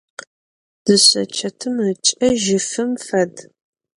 Дышъэчэтым ыкӏэ жьыфым фэд.